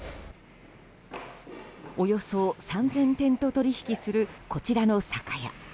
およそ３０００店と取引するこちらの酒屋。